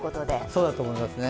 そうだと思いますね。